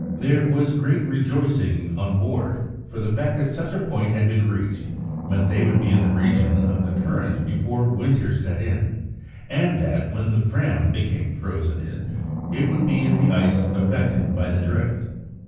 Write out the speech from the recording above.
There was great rejoicing on board, for the fact that such a point had been reached meant that they would be in the region of the current before winter set in, and that, when the Fram became frozen in, it would be in the ice affected by the drift.